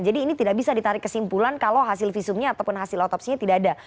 jadi ini tidak bisa ditarik kesimpulan kalau hasil visumnya ataupun hasil otopsinya tidak ada